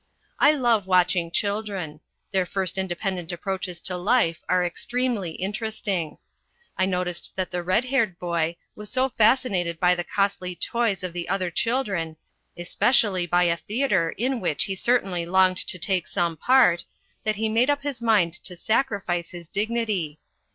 I love watching children. Their first independent approaches to life are ex tremely interesting. I noticed that the red haired boy was so fascinated by the costly toys of the other children, especially by a theatre in which he certainly longed to take some part, that he made up his mind to sacrifice his dignity.